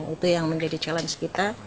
itu yang menjadi challenge kita